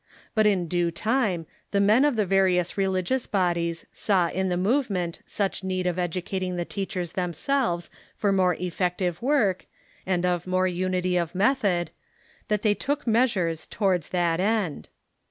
But in due time the men of the various religious bodies saw in the movement such need of educating the teachers themselves for more effective work, and of more unity of method, that they took measures towards that end.